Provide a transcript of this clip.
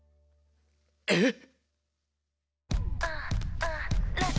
えっ？